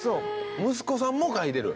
息子さんも書いてる？